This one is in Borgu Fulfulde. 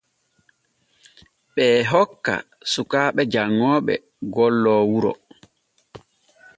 Ɓee hokka sukaaɓe janŋooɓe golle wuro.